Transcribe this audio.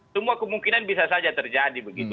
semua kemungkinan bisa saja terjadi begitu